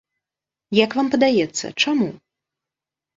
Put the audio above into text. Як вам падаецца, чаму?